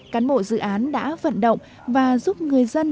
cán bộ dự án đã vận động và giúp người dân